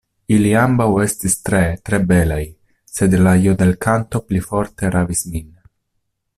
Ili ambaŭ estis tre, tre belaj, sed la jodelkanto pli forte ravis min.